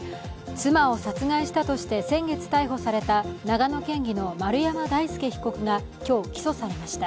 妻を殺害したとして先月逮捕された長野県議の丸山大輔被告が今日起訴されました。